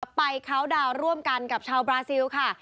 กลับไปขาวดาวน์ร่วมกันกับชาวบราซิลฯค่ะ